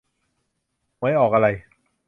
หวยออกอะไร